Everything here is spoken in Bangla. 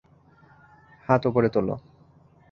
হাত ওপরে তোলো!